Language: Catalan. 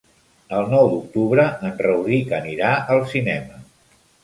El nou d'octubre en Rauric anirà al cinema.